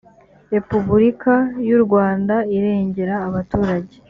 repubulika y’ u rwanda irengera abaturage.